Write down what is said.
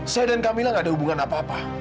saya dan kamila gak ada hubungan apa apa